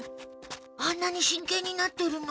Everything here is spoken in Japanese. あんなに真剣になってるの？